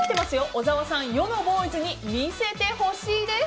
小沢さん、世のボーイズにみせてほしいです。